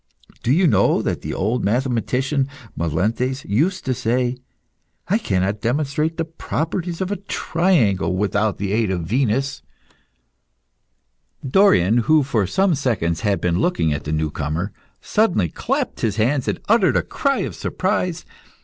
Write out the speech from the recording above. Do you know that the old mathematician, Melanthes, used to say, 'I cannot demonstrate the properties of a triangle without the aid of Venus'?" Dorion, who had for some seconds been looking at the new comer, suddenly clapped his hands and uttered a cry of surprise.